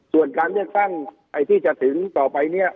ส่วนการเรียกสร้างหากที่จะถึงต่อไป